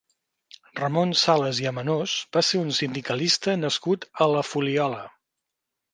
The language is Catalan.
Ramon Sales i Amenós va ser un sindicalista nascut a la Fuliola.